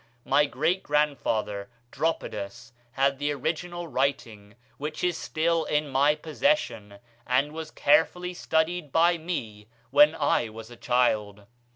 My great grandfather, Dropidas, had the original writing, which is still in my possession, and was carefully studied by me when I was a child.